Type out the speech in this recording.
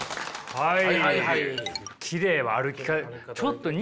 はい。